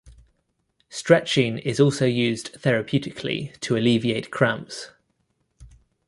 Stretching is also used therapeutically to alleviate cramps.